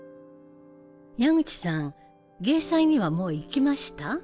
矢口さん藝祭にはもう行きました？